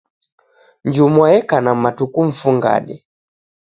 Njumwa yeka na matuku mfungade